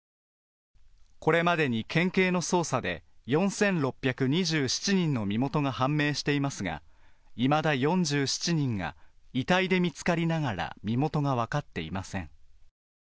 これまでに県警の捜査で４６２７人の身元が判明していますがいまだ４７人が遺体で見つかりながら身元がわかっていません。